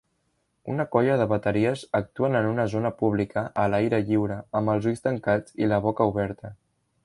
Una colla de bateries actuen en una zona pública a l'aire lliure amb els ulls tancats i la boca oberta.